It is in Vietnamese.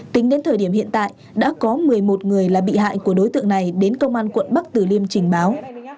tính đến thời điểm hiện tại đã có một mươi một người là bị hại của đối tượng này đến công an quận bắc tử liêm trình báo